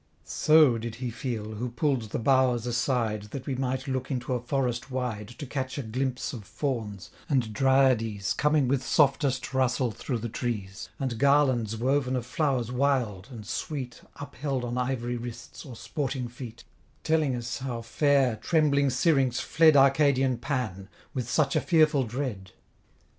So did he feel, who pull'd the boughs aside, That we might look into a forest wide, To catch a glimpse of Fawns, and Dryades Coming with softest rustle through the trees; And garlands woven of flowers wild, and sweet, Upheld on ivory wrists, or sporting feet: Telling us how fair, trembling Syrinx fled Arcadian Pan, with such a fearful dread.